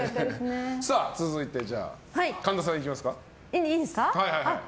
続いて、神田さんいきますか。